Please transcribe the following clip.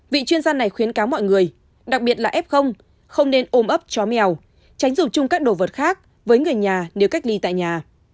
vị chuyên gia này khuyến cáo mọi người đặc biệt là f không nên ôm ấp chó mèo tránh dùng chung các đồ vật khác với người nhà nếu cách ly tại nhà